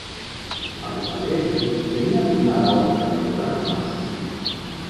A pesar de ello, tenía firmada otra temporada más.